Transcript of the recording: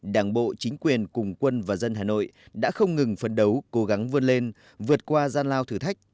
đảng bộ chính quyền cùng quân và dân hà nội đã không ngừng phấn đấu cố gắng vươn lên vượt qua gian lao thử thách